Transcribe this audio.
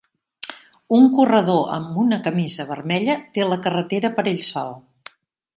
Un corredor amb una camisa vermella té la carretera per a ell sol.